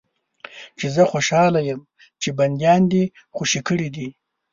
چې زه خوشاله یم چې بندیان دې خوشي کړي دي.